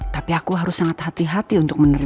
tapi aku harus sangat hati hati untuk menerima